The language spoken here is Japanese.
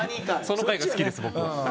その回が好きです僕。